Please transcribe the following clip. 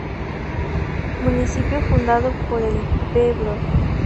Municipio fundado por el Pbro.